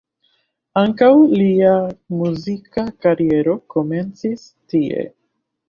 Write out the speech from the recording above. Ankaŭ lia muzika kariero komencis tie.